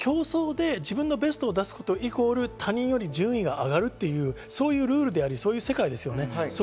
競争で自分のベストを出すことで他人より順位が上がるというルールであり、そういう世界です。